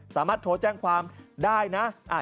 สามารถโทรแจ้งความได้นะ